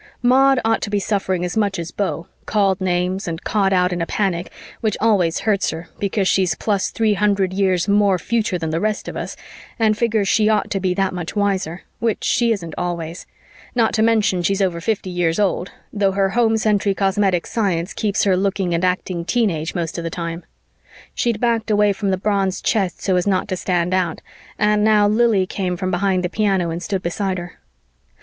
Maud ought to be suffering as much as Beau, called names and caught out in a panic, which always hurts her because she's plus three hundred years more future than the rest of us and figures she ought to be that much wiser, which she isn't always not to mention she's over fifty years old, though her home century cosmetic science keeps her looking and acting teenage most of the time. She'd backed away from the bronze chest so as not to stand out, and now Lili came from behind the piano and stood beside her.